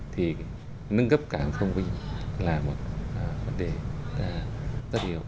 thì nâng cấp cảng thông minh là một vấn đề rất nhiều